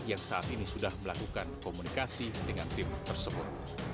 yang saat ini sudah melakukan komunikasi dengan tim tersebut